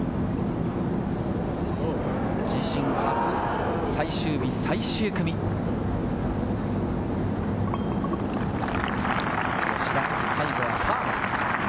自身初、最終日・最終組、吉田、最後はパーです。